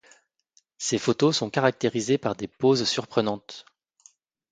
Ses photos sont caractérisées par des poses surprenantes.